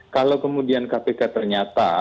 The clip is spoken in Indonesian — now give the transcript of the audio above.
kalau kemudian kpk ternyata